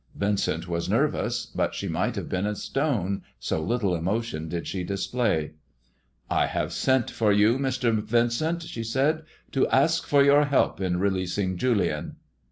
Vincent was nervous, but she might have been of stone, so little emotion did she display. " I have sent for you, Mr. Vincent," she said, " to ask for your help in releasing Julian."